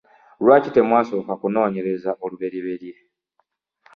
Lwaki temwasooka kunoonyereza olubereberye?